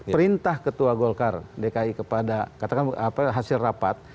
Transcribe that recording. perintah ketua golkar dki kepada katakan hasil rapat